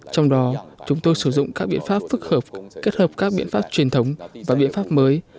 trong đó chúng tôi sử dụng các biện pháp phức hợp kết hợp các biện pháp truyền thống và biện pháp mới